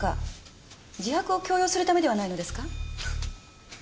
自白を強要するためではないのですか？